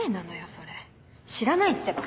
それ知らないってば。